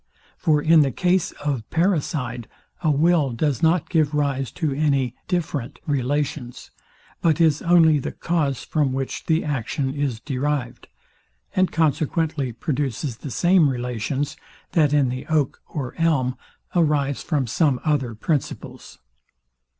For in the case of parricide, a will does not give rise to any DIFFERENT relations, but is only the cause from which the action is derived; and consequently produces the same relations, that in the oak or elm arise from some other principles.